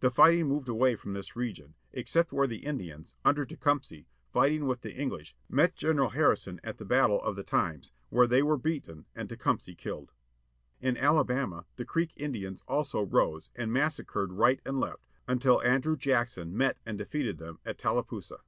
The fighting moved away from this region, except where the Indians, under Tecumseh, fighting with the Eng lish, met General Harrison at the battle of the Thames, where they were beaten, and Tecumseh killed. In Alabama the Creek Indians also rose, and massacred right and left, until Andrew Jackson met and defeated them at Tallapoosa.